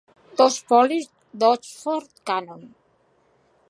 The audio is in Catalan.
Dos folis d'Oxford Canon.